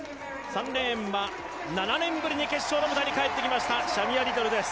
３レーンは７年ぶりに決勝の舞台に帰ってきました、シャミア・リトルです。